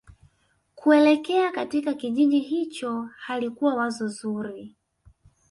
kuelekea katika kijiji hicho halikuwa wazo zuri